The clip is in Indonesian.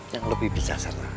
yang lebih bijaksana